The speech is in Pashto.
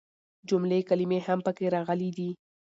جملې ،کلمې هم پکې راغلي دي.